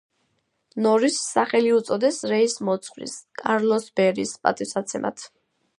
ნორისს სახელი უწოდეს რეის მოძღვრის, კარლოს ბერის, პატივსაცემად.